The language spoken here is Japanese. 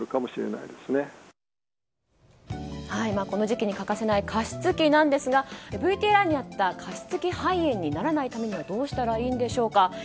この時期に欠かせない加湿器なんですがＶＴＲにあった加湿器肺炎にならないためにはどうしたらいいのでしょうか？